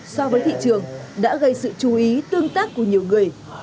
so với thị trường đã gây sự chú ý tương tác của nhiều người